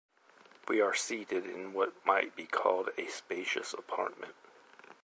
We are seated in what might be called a spacious apartment.